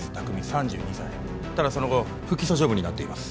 ３２歳ただその後不起訴処分になっています